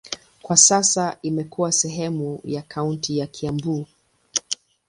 Kwa sasa imekuwa sehemu ya kaunti ya Kiambu.